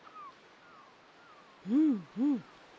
うんうん。